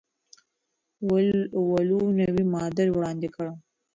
ولوو نوی ماډل وړاندې کړ.